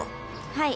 はい。